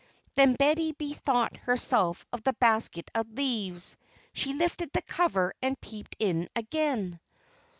Then Betty bethought herself of the basket of leaves. She lifted the cover and peeped in again.